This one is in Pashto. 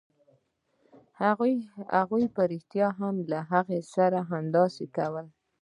هغوی په رښتیا هم له هغه سره همداسې کول